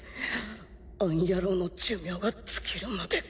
あの野郎の寿命が尽きるまで。